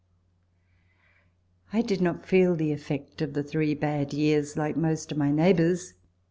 I did not feel the effect of the three bad years like most of my neighbours.